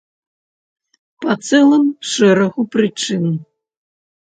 Па цэлым шэрагу прычын.